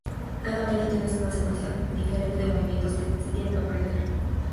Cada baile tiene una secuencia diferente de movimientos que se tienen que aprender.